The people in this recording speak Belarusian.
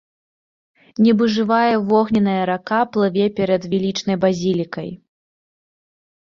Нібы жывая вогненная рака плыве перад велічнай базілікай.